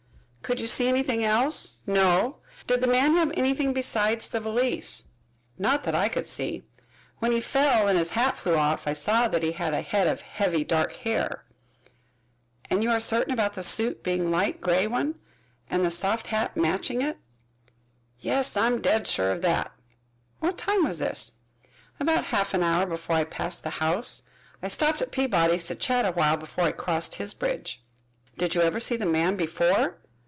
"Could you see anything else?" "No." "Did the man have anything besides the valise?" "Not that I could see. When he fell and his hat flew off I saw that he had a head of heavy dark hair." "And you are certain about the suit being a light gray one and the soft hat matched it?" "Yes, I'm dead sure of that." "What time was this?" "About half an hour before I passed the house. I stopped at Peabody's to chat a while before I crossed his bridge." "Did you ever see the man before?"